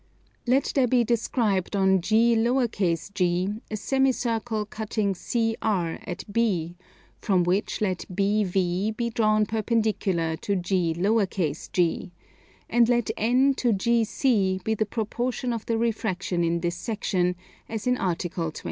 Let there be described on G_g_ a semicircle cutting CR at B, from which let BV be drawn perpendicular to G_g_; and let N to GC be the proportion of the refraction in this section, as in Article 28.